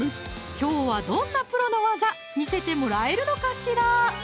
きょうはどんなプロの技見せてもらえるのかしら？